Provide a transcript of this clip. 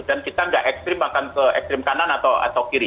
dan kita tidak ekstrim akan ke ekstrim kanan atau kiri